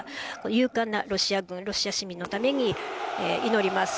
勇敢なロシア軍、ロシア市民のために祈ります。